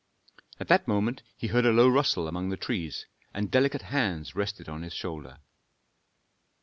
At that moment he heard a low rustle among the trees, and delicate hands rested on his shoulder.